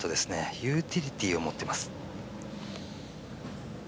ユーティリティーを持っています。